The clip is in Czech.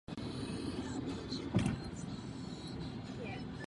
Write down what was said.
Kácení jednotlivých stromů podléhá oznamovací povinnosti příslušnému místnímu úřadu.